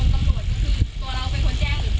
กรรมกำรวจ